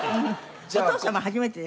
お父様初めてで。